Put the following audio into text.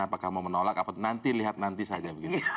apakah mau menolak nanti lihat nanti saja